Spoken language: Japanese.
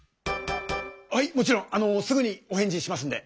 はいもちろんあのすぐにお返事しますんで。